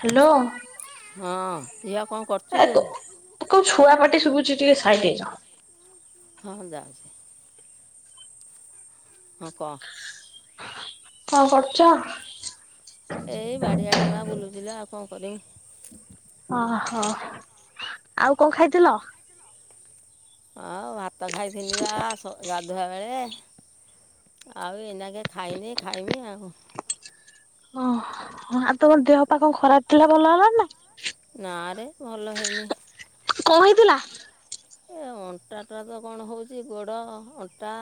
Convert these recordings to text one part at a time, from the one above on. Hello. ହଁ। ଝିଅ କ'ଣ କରୁଛୁ ଏ ତ କଉ ଛୁଆ ପାଟି ଶୁଭୁଛି ଟିକେ ସାଇଟ ଯା ହଁ - ହଁ ଯାଉଛି। ହଁ କହ। କଣ କରୁଚ? ଏଇ ବାଡିଆଡେ ମା ବୁଲୁଚିଲୋ ଆଉ କଣ କରିମି। ଓହୋ। ଆଉ କଣ ଖାଇଥିଲ? ହଉ ଭାତ ଖାଇଥିନି ବା ଗାଧୁଆ ବେଳେ ଆଉ ଏଇନାକେ ଖାଇନି ଖାଇମି ଆଉ। ଓହ ଆଉ ତମର ଦେହ ପା ଖରାପ ଥିଲା ଭଲ ହେଲା ନା? ନାରେ ଭଲ ହେଇନି। କଣ ହେଥିଲା? ଏ ଅଣ୍ଟାଟା ତ କଣ ହେଉଛି ଗୋଡ଼ ଅଣ୍ଟା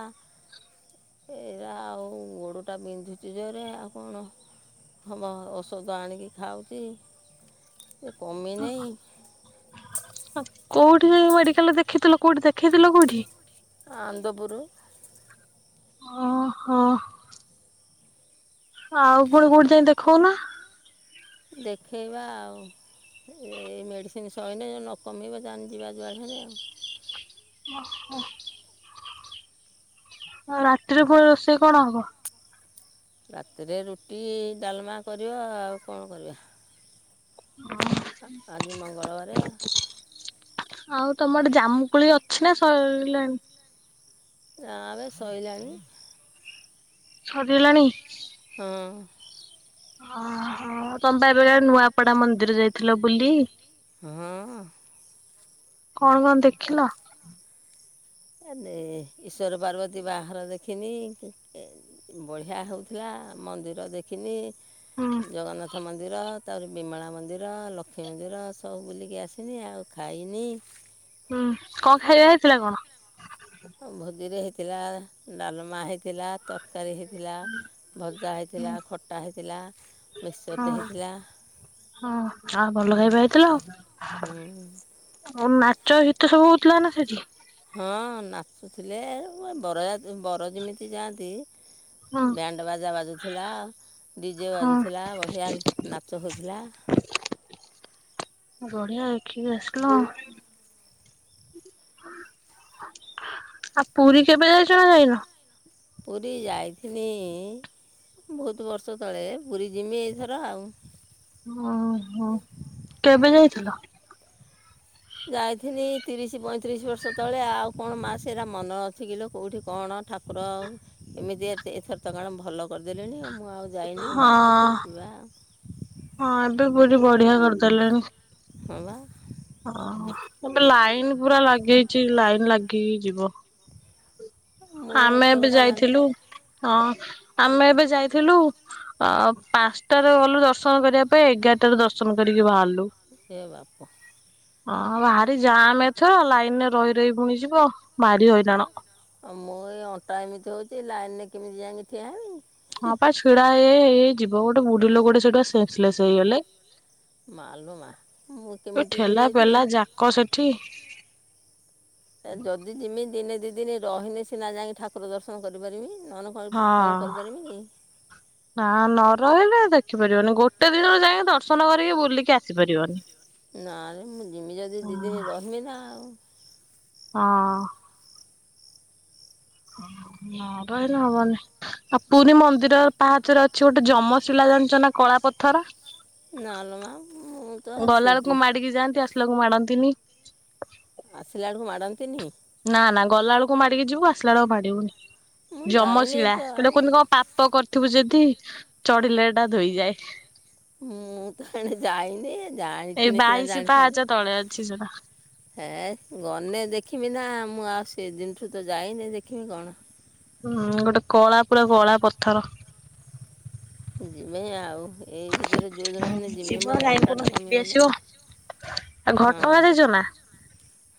ଏରା ଆଉ ଗୋଡ଼ଟା ବିନ୍ଧୁଛି ଜୋରେ ଆଉ କଣ ହମ ଔଷଧ ଆଣିକି ଖାଉଛି ଏ କମି ନାହିଁ କୋଉଠି ମେଡିକାଲରେ ଦେଖିଥିଲ କୋଉଠି ଦେଖେଇଥିଲ କୋଉଠି? ଆନନ୍ଦପୁର। ଓ ହୋ। ଆଉ ପୁଣି କୋଉଠି ଯାଇ ଦେଖାଉ ନ? ଦେଖେଇବା ଆଉ। ଏଇ ମେଡ଼ିସିନ ସହିନେ ନ କମିବ ଜାନେ ଯିବା ଯୁଆଡେ ହେଲେ ଆଉ। ଓ ହଁ। [inaudible] ଆଉ ରାତିରେ ପୁଣି ରୋଷେଇ କଣ ହବ? ରାତିରେ ରୁଟି, ଡାଲମା କରିବା ଆଉ କଣ କରିବା। କାଲି ମଙ୍ଗଳବାରେ ଆଉ ତମଆଡେ ଜାମୁକୋଳି ଅଛି ନା ସରିଲାଣି? ନାବେ ସଇଲାଣି। ସରିଲାଣି? ହଁ ଓହୋ ତମେ ବା ଏବେ କାଳେ ନୂଆପଡା ମନ୍ଦିର ଯାଇଥିଲ ବୁଲି। ହଁ। କଣ କଣ ଦେଖିଲ? ଏନେ ଈଶ୍ୱର ପାର୍ବତୀ ବାହାଘର ଦେଖିନି। ବଢିଆ ହଉଥିଲା। ମନ୍ଦିର ଦେଖିନି, ହୁଁ ଜଗନ୍ନାଥ ମନ୍ଦିର। ତାପରେ ବିମଳା ମନ୍ଦିର, ଲକ୍ଷ୍ମୀ ମନ୍ଦିର ସବୁ ବୁଲିକି ଆସିନି। ଆଉ ଖାଇନି। ହୁଁ। କଣ ଖାଇବା ହେଇଥିଲା କଣ? ଥିଲା ଡାଲମା ହେଇଥିଲା ତର କାରୀ ହେଇଥିଲା, ଭଜା ହେଇଥିଲା, ଖଟା ହେଇଥିଲା, ମିକ୍ସଚର ହଁ ଟେ ହେଇଥିଲା। ହଁ, ଆ ଭଲ ଚାଲ। ହୁଁ। ଚ ହିତ ସବୁ ହଉଥିଲା ନା ସେଠି? ହଁ, ନାଚୁଥିଲେ ବରଯା ବର ଯେମିତି ଯାଆନ୍ତି ହଁ ବ୍ୟାଣ୍ଡ ବାଜା ବାଜୁଥିଲା। ଡିଜେ ହଁ ବାଜୁଥିଲା ବଢ଼ିଆ ନାଚ ହୋଉଥିଲା। ବଢିଆ, ଏଖିକି କି ଆସିଲ? ଆ ପୁରୀ କେବେ ଯାଇଛ ନା ଯାଇନ? ପୁରୀ ଯାଇଥିନି-ଇ ବହୁତ ବର୍ଷ ତଳେ ପୁରୀ ଯିମି ଏଇଥର ଆଉ। ଓହୋ! କେବେ ଯାଇଥିଲ? ଯାଇଥିନି, ତିରିଶ ପଇଁତିରିଶ ବର୍ଷ ତଳେ, ଆଉ କଣ ମା ସେରା ମନେ ଅଛି କିଲୋ କଉଠି କଣ ଠାକୁର ଏମିତି ଏତେ ଏଥର ତ କଣ ଭଲ କରିଦେଲେଣି ଆ ମୁଁ ମୁଁ ଆଉ ଯାଇନି ହଁ ଆଉ ଏଥରେ ଯିବା ଆଉ। ପୁଅଟି ବଢିଆ କରିଦେଲେଣି। ହଁ ବା ହଁହଁ, ଏବେ ଲାଇନ ପୁରା ଲାଗ ଇଛି ଲାଇନ ଲାଗି ଇ ଯିବ। ମୁଁ ଆମେ ଏତେ ଏବେ କଥା ଜାଣିଛି ଯାଇଥିଲୁ। ହଁ, ଆମେ ଏବେ ଯାଇଥିଲୁ। ଅ ପାଞ୍ଚଟାରେ ଗଲୁ ଦର୍ଶନ କରିବା ପାଇଁ ଏଗାରଟାରୁ ଦର୍ଶନ କରି କି ବାହାରଲୁ। ଏ ବାପ! ହଁ, ବାହାରି ଜାମ୍ ଏଥର ଲାଇନରେ ରହି ରହି ପୁଣିଯିବ। ଭାରି ହଇରାଣ। ମୁଁ ଏଇ ଅଣ୍ଟା ଏମିତି ହଉଛି, ଲାଇନ ନେ କେମିତି ଯାଇକି ଠିଆ ହେବି? ହଁ, ପା ଛିଡା ହେଇ ହେଇ ହେଇ ହେଇଯିବ। ଗୋଟେ ବୁଢୀଲୋକଟା ସେଟା ସ୍ନେସଲେସ୍ ହେଇଗଲେ। ମାଲୋମା! ମୁଁ ଏ କେମିତି ଠେଲା ଯିବି ଏଥିରେ? ପେଲା ଯାକ ସେଠି ଏ ଯଦି ଯିମି ଦିନେ ଦି ଦିନି ରହିନେ, ସିନା ଯାଇ ଠାକୁର ଦର୍ଶନ କରିପାରିବି। ନହେଲେ କ କଣ ହଁ। କରିପାରିବିନି? ନା ନ ରହିଲେ ଦେଖିପାରିବନି। ଗୋଟେ ଦିନରେ ଯାଇଁକି ଦର୍ଶନ କରିକି ବୁଲିକି ଆସିପାରିବନି। ନାରେ, ମୁଁ ଯିମି ଯଦି ଦି ଦିନି ରହମି ନା ଆଉ। ହଁ। ନ ରହିଲେ ହବନି। ଆ ପୁରୀ ମନ୍ଦିର ପାହାଚରେ ଅଛି, ଗୋଟେ ଯମଶିଳା ଯାଞ୍ଚନା କଳା ପଥର! ନଲୋ, ମା ମୁଁ ତ ଆସିଚି। ଲାକୁ ମାଡନ୍ତିନି। ଆସିଲା ବେଳକୁ ମାଡ଼ନ୍ତିନି? ନା ନା ଗଲା ଅଳକୁ ମାଡିକି ଯିବୁ। ଆସିଲା ଆଳୁ ଆଉ ମାଡିବୁନି। ମୁଁ ଯାଇନି ଜମଶିଳା, ତ ଆଉ ହେଟା କୁହନ୍ତି, କଣ ପାପ କର ଥିବୁ ଯଦି, ଚଢିଲେ ଏଟା ଧୋଇଯାଏ। ମୁଁ ତ ହେଣେ ଯାଇନି, ଏଇ ଜାଣିଥିନେ ସିନା ବାଇଶି ପାହାଚ ତଳେ ଅଛି ସେଟା ଜାଣିଥାନ୍ତି। ହେଁ ଗନେ ଦେଖ୍ ଖିବି ନା ମୁଁ ଆଉ ସେ ଦିନଠୁ ତ ଯାଇନି ଦେଖିବି କଣ? ହୁଁ, ଗୋଟେ କଳା ପୁରା କଳା ପଥର। ଯିମି ଆଉ। ଏଇ ଭିତରେ ଯୋଉଦିନେ ହେନେ ଯିମି, ଯିବ ମୋ ଅଣ୍ଟାଟା କମିଗନେ। ଆ ଘଟଗାଁ ଯାଇଛ ନା?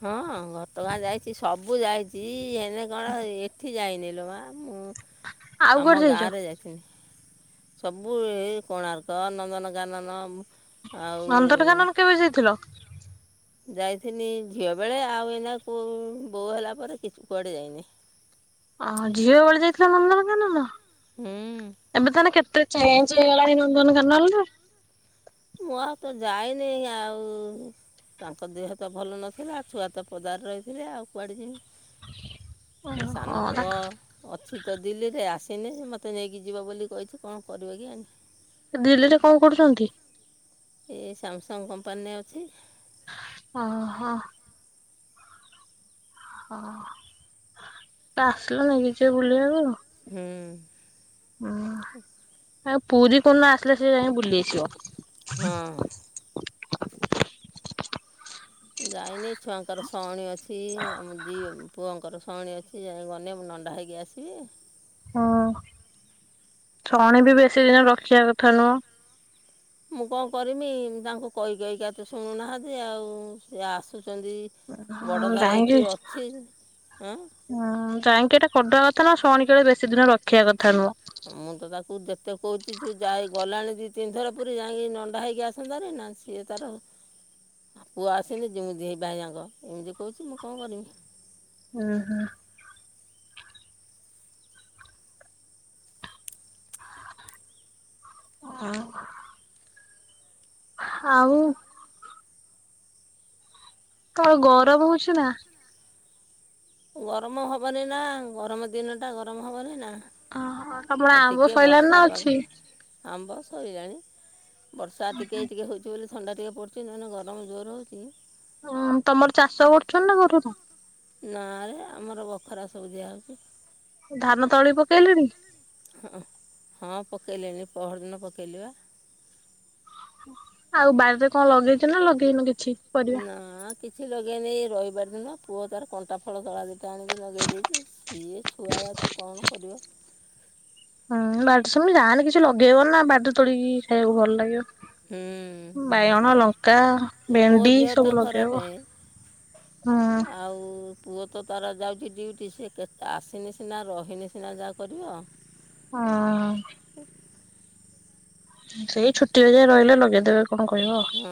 ହଁ ଘଟଗାଁ ଯାଇଛି ସବୁ ଯାଇଛି ହେନେ କଣ ଏଠି ଯାଇନି ଲୋ ମା। ମୁଁ ଆଉ ଆମ କୁଆଡେ ଯାଇଛ ଗାଁରେ ଯାଇଥିନି। ସବୁ ଏ କୋଣାର୍କ ନନ୍ଦନ କାନନ ଉଁ। ନନ୍ଦନକାନନ କେବେ ଯାଇଥିଲ? ଯାଇଥିନି ଝିଅ ବେଳେ ଆଉ ଏଇନା କୋଉ ବୋଉ ହେଲା ପରେ କିଛି କୁଆଡେ ଯାଇନି। ଅ ହଁ ଝିଅ ବେଳେ ଯାଇଥିଲ ନନ୍ଦନକାନନ? ହୁଁ। ଏବେ ତାହେଲେ କେତେ ଚେଞ୍ଚ ହେଇଗଲାଣି ନନ୍ଦନକାନଲରେ। ମୁଁ ଆଉ ତ ଯାଇନେଇ ଆଉ। ତାଙ୍କ ଦେହ ତ ଭଲ ନଥିଲା ଛୁଆ ତ ପଦାରେ ରହିଥିଲେ ଆଉ କୁଆଡେ ଯିମି। ଏ ସାନ ଓହୋ ପୁଅ ତାକୁ ଅଛି ତ ଦିଲ୍ଲୀରେ ଆସି ସିନେ ମୋତେ ନେଇକି ଯିବ ବୋଲି କହିଛି କଣ କରିବ କେଜାଣି। ସେ ଦିଲ୍ଲୀରେ କଣ କରୁଛନ୍ତି? ଏ ସ୍ୟାମସଙ୍ଗ କମ୍ପାନୀରେ ଅଛି। ଓ ହୋ। ହ ତ ଆସିଲେ ନେଇକି ଯିବ ବୁଲେଇଆକୁ। ହୁଁ। ଆଉ ପୁରୀ କୋଉଦିନ ଆସିଲେ ସେ ଯାଇଁ ବୁଲି ଆସିବ। ହଁ। ଯାଇନି ଛୁଆଙ୍କର ଶଅଣୀ ଅଛି ଆମ ଦି ଉଁ ପୁଅଙ୍କର ଶଅଣି ଅଛି ଯାଇଁ ଗନେ ମୁଁ ନଣ୍ଡା ହେଇକି ଆସିବି। ହଁ ଛଅଣୀ ବି ବେଶୀ ଦିନ ରଖିବା କଥା ନୁହଁ। ମୁଁ କଣ କରିମି ତାଙ୍କୁ କହି କହିକା ତ ଶୁଣୁନାହାନ୍ତି ଆଉ ସେ ଆସୁ ହଁ ଯାଇକିଁ ଅଛି ହଁ ଉଁ ଯାଇକିଁ ଏଟା କରିଦବା କଥା ନା ଶଅଣି କେବେ ବେଶୀ ଦିନ ରଖିବା କଥା ନୁହଁ। ମୁଁ ତ ତାକୁ ଯେତେ କହୁଛି ତୁ ଯାଇ ଗଲାଣି ଦି ତିନିଥର ପୁରୀ ଯାଇଁକି ନଣ୍ଡା ହେଇକି ଆସନ୍ତାରି ନା ସିଏ ତାର। ଆ ପୁଅ ଆସିନି ଯିମୁ ଦି ଭାଇ ଯାଙ୍କ ଏମିତି କହୁଛି ମୁଁ କଣ କରିମି। ହୁଁ ହୁଁ। ଆଉ। ଆଉ। ତ ଗରମ ହଉଛି ନା। ଗରମ ହବନି ନା ଗରମ ଦିନ ଟା ଗରମ ହବନି ନା। ତମର ହଁ ଆମ୍ବ ଟିକେ ସଇଲାଣି ନା ବର୍ଷା ପାଗ ଅଛି? ଆମ୍ବ ସରିଲାଣି। ବର୍ଷା ଟିକେ ଟିକେ ହଉଛି ବୋଲି ଥଣ୍ଡା ଟିକେ ପଡୁଛି ନହେନେ ଗରମ ଜୋର ହଉଛି। ହଁ ତମର ଚାଷ କରୁଛ ନା କରୁନ? ନା ରେ ଆମର ବଖରା ସବୁ ଦିଆହଉଛି। ଧାନ ତଳି ପକେଇଲେଣି? ପକେଇଲିଣି ପହର ଦିନ ପକେଇଲି ବା। ଆଉ ବାରିରେ କଣ ଲଗେଇଛ ନା ଲଗେଇନୁ କିଛି ପରିବା? ନା କିଛି ଲଗେଇନି ଏ ରଇବାର ଦିନ ପୁଅ ତାର କଣ୍ଟା ଫଳ ତଳା ଦିଟା ଆଣିକି ଲଗେଇ ଦେଇଛି କିଏ ଛୁଆ। ଆଉ ଆଉ ତ କଣ କରିବ। ହୁଁ ବାଡିରେ ସେମାନେ ଯାହା ହେନେ କିଛି ଲଗେଇବ ନା ବାଡିରେ ତୋଳିକି ଖାଇବାକୁ ଭଲ ଲାଗିବ। ବାଇଗଣ, ହୁଁ ଲଙ୍କା, ଏ ମୋ ଭେଣ୍ଡି ଦେହ ତ ସବୁ ଖରାପ ଲଗେଇବ। ହୁଁ। ଆଉ। ପୁଅ ତ ତାର ଯାଉଛି ଡ୍ୟୁଟି ସିଏ କେତେ ଆସିନେ ସିନା ରହିନେ ସିନା ଯାହା କରିବ। ହଁ। ସେଇ ଛୁଟିରେ ଯାଇ ରହିଲେ ଲଗେଇଦେବେ। କଣ କହିବ ଉଁ ହୁଁ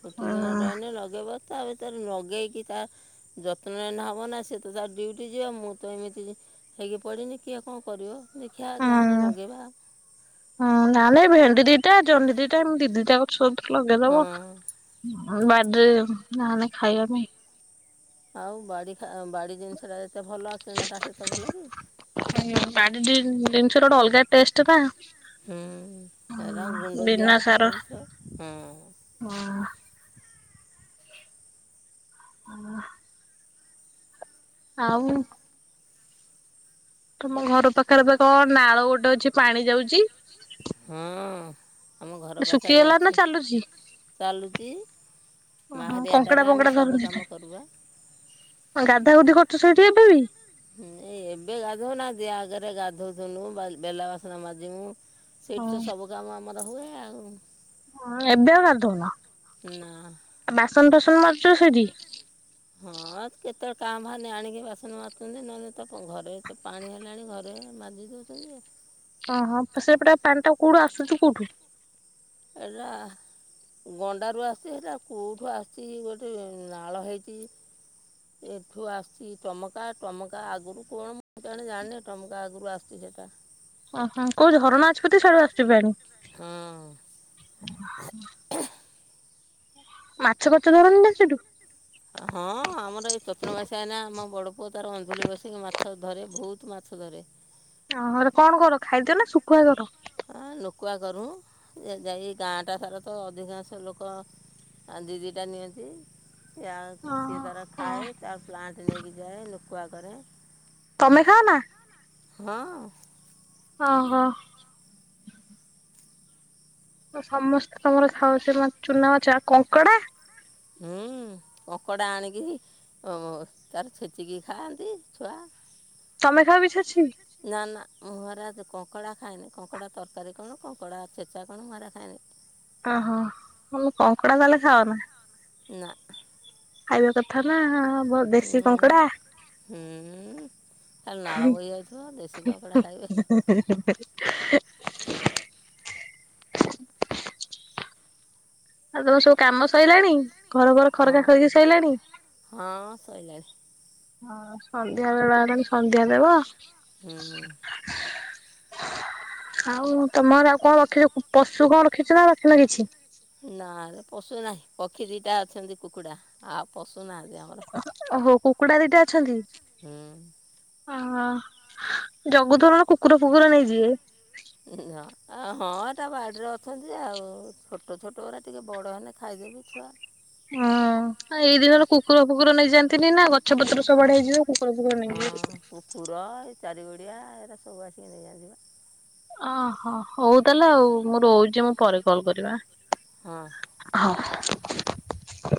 ଛୁଟି ଦିନ ହୁଁ। ରହିନେ ଲଗେଇବ ତା ତାର ନଗେଇକି ତା ଯତ୍ନ ନେନେ ହବନା ସେ ତ ତାର ଡ୍ୟୁଟି ଯିବ ମୁଁ ତ ଏମିତି। ଇଏ ପଡ଼ିନି କିଏ କଣ କରିବ? ଦେଖିବା ଯାହାହେଲେ ହୁଁ ଲଗେଇବା ହଁ ନା ମ ଭେଣ୍ଡି ଦିଟା ଜହ୍ନି ଦିଟା ଏମିତି [unintelligible] ଲଗେଇଦବ ହଁ ବାଡ଼ିରେ ନା ନା ଖାଇବା ପାଇଁ ଆଉ ବାଡି ଖା ବାଡି ଜିନିଷ ଟା ହୁଁ ବାଡି ଡିନ୍ ଜିନିଷର ଗୋଟେ ଅଲଗା ଟେଷ୍ଟ ନା। ହୁଁ ହେରା ଗୁଣ୍ଡଦିଆ ବିନା ସାର ଜିନିଷ ହଁ। ହଁ ହାଆ ଆଉ ତୁମ ଘର ପାଖରେ ତ କଣ ନାଳ ଗୋଟେ ଅଛି ପାଣି ଯାଉଛି। ହଁ ଆମ ଘର ପାଖରେ ଶୁଖିଗଲା ନା ଅଛି ଚାଲୁଛି? ଚାଲୁଛି। ଓହୋ କଙ୍କଡା ମାହାରିଆଟାରେ ଆମେ ଫଙ୍କଡା ସବୁ ଧରନ୍ତି କାମ କରିବା। ଗାଧା ଗୁଧି କରୁଚ ସଇଠି ଏପାଳି? ଏଇ ଏବେ ଗାଧଉନାନ୍ତିି ଆଗରେ ଗାଧଉୁନୁ ବେଲା ବାସନା ମାଜିମୁ ହଁ ସେଇଠି ତ ସବୁ କାମ ଆମର ହୁଏ ଆଉ। ହଁ ଏବେ ଆଉ ଗାଧୋଉନ ନା ବାସନ ଫାସନ ମାଜୁଚ ସେଠି? ହଁ କେତେବେଳେ କାଁ ବାହାରନେ ଆଣିକି ବାସନ ମାଛନ୍ତି ନହେଲେ ତ ଘରେ ତ ପାଣି ହେଲାଣି ଘରେ ମାଜି ଯାନ୍ତି ଆଉ। ଓହଁ ସେପଟେ ପାଣିଟା କୋଉଠୁ ଆସୁଛି କୋଉଠୁ? ଏଟା ଗଣ୍ଡାରୁ ଆସିଛି ହେଟା କୋଉଠୁ ଆସୁଛି ଗୋଟେ ନାଳ ହେଇଛି ଏଠୁ ଆସିଛି ଟମକା ଟମକା ଆଗରୁ କଣ ମୁଁ ଜଣେ ଜାଣିନେ ଟମକା ଆଗରୁ ଆସୁଛି। ଟା ଆହା କୋଉ ଝରଣା ଅଛି ବୋଧେ ଆସୁଚି ପାଣି? ହଁ ମାଛ ଫାଛ ଧରନ୍ତି ନା ସେଠୁ? ହଁ ବୋଉ ତାର ଅନ୍ଧୁଳି ବସିକି ମାଛ ଧରେ ବହୁତ ମାଛ ଧରେ। ତମର କଣ କର ଖାଇଦିଅ ନା ଶୁଖୁଆ କର? ଆ ନୁଁକୁଆ କରୁ ଯାଇ ଗାଁଟା ସାର ତ ଅଧିକାଂଶ ଲୋକ ଆଉ ଦି ଦି ଟା ନିଅନ୍ତି। ସେ ସିଏ ଦାରା ଓହୋ ଖାଏ ତା ପ୍ଲାଣ୍ଟ ନେଇକି ଯାଏ ନୁକୁଆ କରେ ତମେ ଖାଅ ନା? ହଁ। ଅହ। ସମସ୍ତେ ତମର ଖାଉଛି ଚୁନା ମାଛ କଙ୍କଡା? ହୁଁ। କଙ୍କଡା ଆଣିକି ତାର ଛେଚିକି ଖାଆନ୍ତି ଛୁଆ। ମେଘା ବି ଛେଛି ନା ନା ମୁହାଁ ନା ଦ କଙ୍କଡା ଖାଇନି କଙ୍କଡା ତକାରୀ କଣ କଙ୍କଡା ଛେଚା କଣ ମୁଁ ହେରା ଖାଏନି। ଆ ହୋ ତମେ କଙ୍କଡ଼ା ତାହାଲେ ଖାଅନା? ନା। ଖାଇବା କଥା ନା ବ ଦେଶୀ ହୁଁ। କଙ୍କଡା। ଖାଲି ନାଳ ବହି ଯାଉଥିବ ଦେଶୀ କଙ୍କଡ଼ା ଖାଇବେ ଆଉ ତମ ସବୁ କାମ ସଇଲାଣି? ଘର ଘର ହଁ ଖରକା ଖରିକି ସରଲାଣି? ହଁ ସଇଲାଣି ହଁ ସନ୍ଧ୍ୟା ବେଳେ ହେଲାଣି ସନ୍ଧ୍ୟା ଦେବ ଉଁ ହୁଁ। ଆଉ ତମର ଆଉ କଣ ରଖିଛ ପଶୁ କଣ ରଖିଛ ନା ରଖିନ କିଛି? ନାରେ ପଶୁ ନାହିଁ ପକ୍ଷୀ ଦିଟା ଅଛନ୍ତି କୁକୁଡା ଆଉ ପଶୁ ନାହାନ୍ତି ଆମର ଓହୋ କୁକୁଡ଼ା ଦିଟା ଅଛନ୍ତି? ହୁଁ। ଓହୋ ଜଗୁ ଥିବ ନହେନେ କୁକୁର ଫୁକୁର ନେଇଯିବେ। ଆ ହଁ ଏଟା ବାଡ଼ିରେ ଅଛନ୍ତି ଆଉ ଛୋଟ ଛୋଟ ଗୁରା ଟିକେ ବଡ ହେଲେ ଖାଇଦେବେ ଛୁଆ। ଓ ଏଇ ଦିନରେ କୁକୁର ଫୁକୁର ନେଇଯାଆନ୍ତିନି ନା ଗଛ ପତର ସବୁ ଆଡେ ହେଇଯିବେ। ହଁ କୁକୁର ଏ ଚାରିଗୋଡିଆ ଏରା ସବୁ ଆସିକି ନେଇଯାଆନ୍ତି ପା। ଓହୋ ହୋଉ ତାହେଲେ ଆଉ ମୁଁ ରୋହୁଚି ମୁଁ ପରେ କଲ୍ କରିବି ଆ। ହଁ ହଁ [inaudible]